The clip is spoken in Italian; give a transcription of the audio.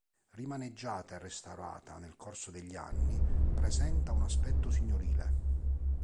Rimaneggiata e restaurata nel corso degli anni, presenta un aspetto signorile.